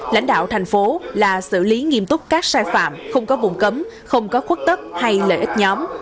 lãnh đạo thành phố là xử lý nghiêm túc các sai phạm không có vùng cấm không có khuất tức hay lợi ích nhóm